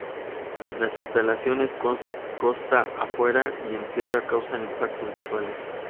Las instalaciones costa afuera y en tierra causan impactos visuales.